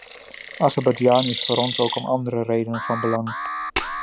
Azerbeidzjan is voor ons ook om andere redenen van belang.